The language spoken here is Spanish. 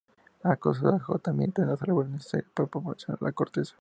Ha causado un agotamiento de los árboles necesarios para proporcionar la corteza.